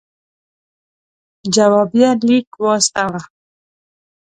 جوابیه لیک واستاوه.